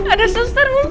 ada suster mumpet